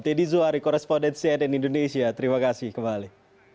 teddy suhari korespondensi adn indonesia terima kasih